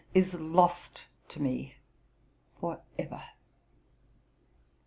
is lost to me... for ever."'